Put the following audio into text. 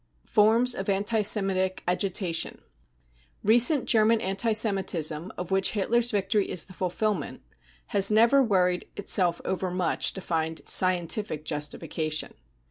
Forms of anti Semitic agitation. Recent German anti Semitism, of which Hitler's victory is the fulfilnfent, has never worried itself overmuch to find " scientific 55 justification.